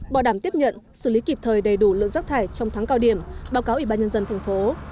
bảo đảm tiếp nhận xử lý kịp thời đầy đủ lượng rác thải trong tháng cao điểm báo cáo ủy ban nhân dân thành phố